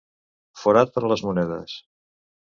Forat per a les monedes.